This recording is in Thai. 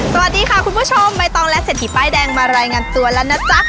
สวัสดีค่ะคุณผู้ชมใบตองและเศรษฐีป้ายแดงมารายงานตัวแล้วนะจ๊ะ